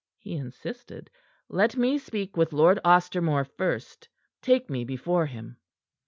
he insisted. "Let me speak with Lord Ostermore first. Take me before him."